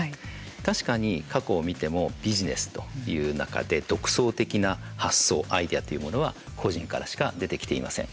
確かに過去を見てもビジネスという中で独創的な発想アイデアというものは個人からしか出てきていません。